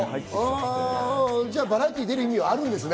じゃあバラエティーに出る意味はあるんですね。